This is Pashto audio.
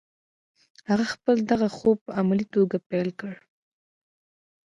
هغه خپل دغه خوب په عملي توګه پلی کړ